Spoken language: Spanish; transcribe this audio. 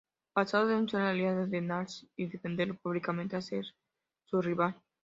Pasó de ser una "aliada" de Nasralla y defenderlo públicamente a ser su rival.